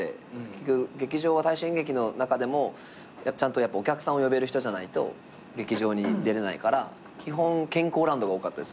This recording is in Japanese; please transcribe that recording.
劇場は大衆演劇の中でもちゃんとお客さんを呼べる人じゃないと劇場に出れないから基本健康ランドが多かったです。